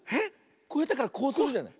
こうやってからこうするじゃない？